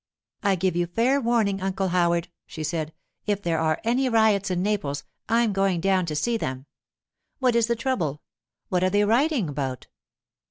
'I give you fair warning, Uncle Howard,' she said, 'if there are any riots in Naples, I'm going down to see them. What is the trouble? What are they rioting about?